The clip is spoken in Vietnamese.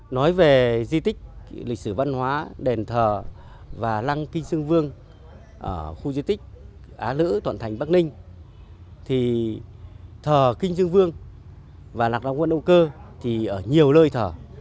nói về di tích lịch sử văn hóa đền thờ và lăng kinh sương vương ở khu di tích á lữ thuận thành bắc ninh thì thờ kinh dương vương và lạc long quân âu cơ thì ở nhiều nơi thờ